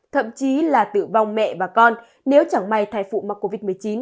thậm chí là tử vong mẹ và con nếu chẳng may thai phụ mắc covid một mươi chín